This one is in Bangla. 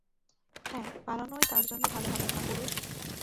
হ্যাঁ, পালানোই তোর জন্য ভালো হবে, কাপুরুষ।